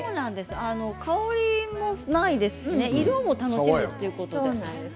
香りもないですしね色も楽しめるということで。